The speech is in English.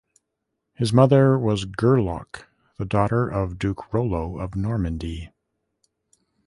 His mother was Gerloc, the daughter of Duke Rollo of Normandy.